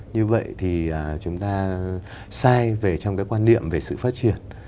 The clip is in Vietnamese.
như vậy thì chúng ta sai về trong cái quan niệm về sự phát triển